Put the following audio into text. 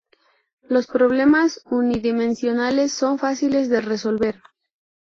Los problemas unidimensionales son fáciles de resolver.